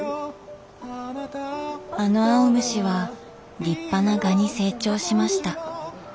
あの青虫は立派な蛾に成長しました。